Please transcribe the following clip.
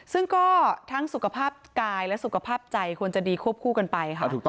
ซึ่งก็ทั้งสุขภาพกายและสุขภาพใจควรจะดีควบคู่กันไปค่ะ